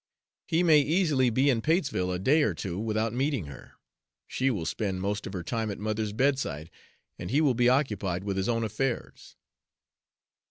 "He may easily be in Patesville a day or two without meeting her. She will spend most of her time at mother's bedside, and he will be occupied with his own affairs."